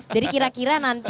jadi kira kira nanti